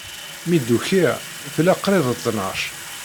Mi d-ukiɣ, tella qrib d ttnac.